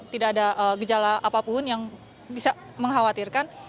tidak ada gejala apapun yang bisa mengkhawatirkan